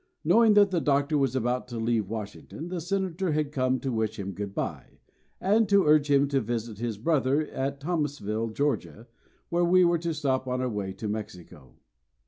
Knowing that the Doctor was about to leave Washington the Senator had come to wish him goodby, and to urge him to visit his brother at Thomasville, Georgia, where we were to stop on our way to Mexico.